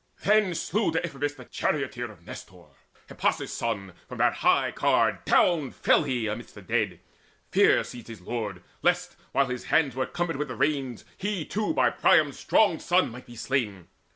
Then slew Deiphobus the charioteer Of Nestor, Hippasus' son: from that high car Down fell he 'midst the dead; fear seized his lord Lest, while his hands were cumbered with the reins, He too by Priam's strong son might be slain.